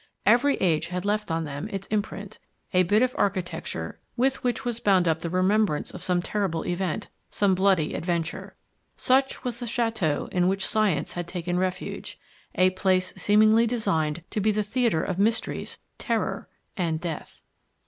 Every age had left on them its imprint; a bit of architecture with which was bound up the remembrance of some terrible event, some bloody adventure. Such was the chateau in which science had taken refuge a place seemingly designed to be the theatre of mysteries, terror, and death.